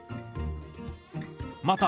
また